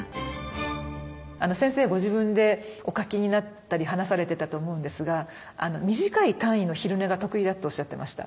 先生ご自分でお書きになったり話されてたと思うんですが「短い単位の昼寝が得意だ」っておっしゃってました。